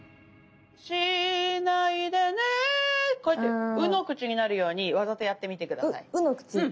しないでねこうやって「う」の口になるようにわざとやってみて下さい。